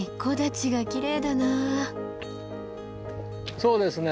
そうですね。